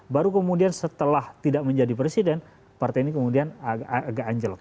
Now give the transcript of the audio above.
baru kemudian setelah tidak menjadi presiden partai ini kemudian agak anjlok